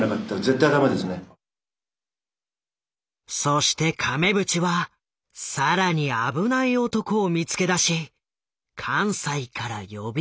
そして亀渕は更に危ない男を見つけ出し関西から呼び寄せる。